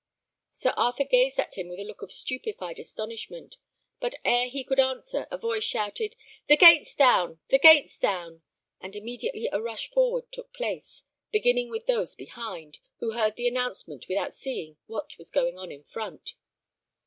Sir Arthur gazed at him with a look of stupified astonishment; but ere he could answer, a voice shouted, "The gate's down! the gate's down!" And immediately a rush forward took place, beginning with those behind, who heard the announcement without seeing what was going on in front.